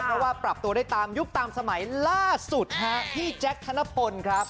เพราะว่าปรับตัวได้ตามยุคตามสมัยล่าสุดฮะพี่แจ๊คธนพลครับ